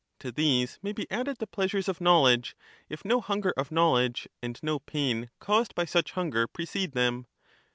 To these may be added the pleasures of knowledge, if 52 no hunger of knowledge and no pain caused by such hunger precede them.